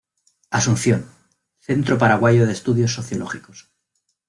Asunción: Centro Paraguayo de Estudios Sociológicos.